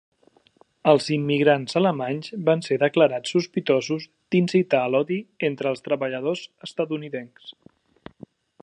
Els immigrants alemanys van ser declarats sospitosos d'incitar a l'odi entre els treballadors estatunidencs.